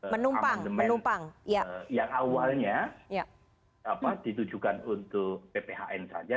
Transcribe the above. amandemen yang awalnya ditujukan untuk pphn saja